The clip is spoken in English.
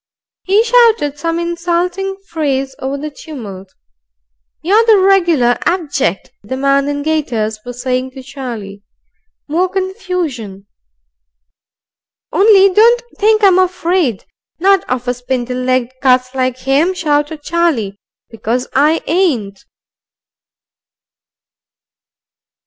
He shouted some insulting phrase over the tumult. "You're regular abject," the man in gaiters was saying to Charlie. More confusion. "Only don't think I'm afraid, not of a spindle legged cuss like him," shouted Charlie. "Because I ain't."